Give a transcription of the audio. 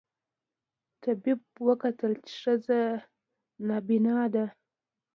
طبیب وکتل چي ښځه نابینا ده